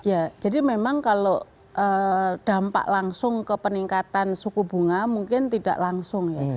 ya jadi memang kalau dampak langsung ke peningkatan suku bunga mungkin tidak langsung ya